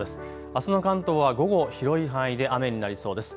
あすの関東は午後、広い範囲で雨になりそうです。